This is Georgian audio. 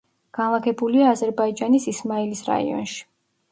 განლაგებულია აზერბაიჯანის ისმაილის რაიონში.